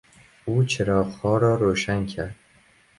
او چراغها را روشن کرد.